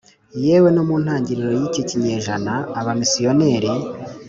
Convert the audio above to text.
yewe no mu ntangiriro y'iki kinyejana abamisiyoneri